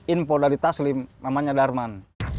info dari taslim namanya darman